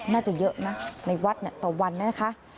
น่าจะเยอะนะในวัดต่อวันนะคะ